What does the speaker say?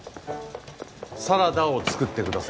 サラダを作ってください。